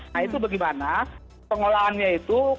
nah itu bagaimana pengelolaannya itu